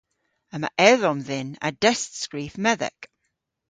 Yma edhom dhyn a destskrif medhek.